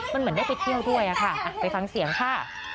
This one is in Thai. มันเหมือนได้ไปเที่ยวด้วยค่ะไปฟังเสียงค่ะ